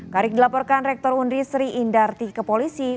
karik dilaporkan rektor undri sri indarti kepolisi